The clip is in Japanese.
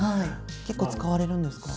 結構使われるんですか？